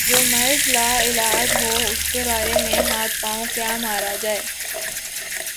جو مرض لا علاج ہو اس کے بارے میں ہاتھ پاؤں کیا مارا جائے۔